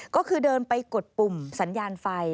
ก็คือเดินไปกดปุ่มสัญญาณไฟ